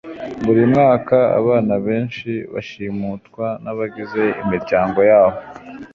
Buri mwaka abana benshi bashimutwa nabagize imiryango yabo